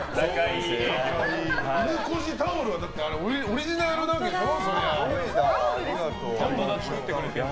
いぬこじタオルはオリジナルなんでしょ？